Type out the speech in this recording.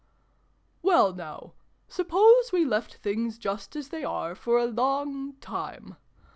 " Well, now, suppose we left things just as they are, for a long time.